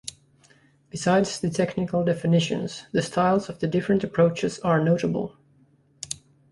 Besides the technical definitions, the styles of the different approaches are notable.